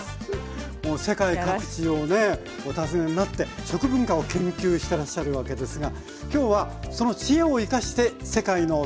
もう世界各地をねお訪ねになって食文化を研究してらっしゃるわけですがきょうはその知恵を生かして世界のトマト料理をご紹介頂きます。